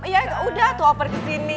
ya udah tuh operasi sini